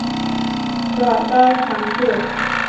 พระเจ้าช้างเผือก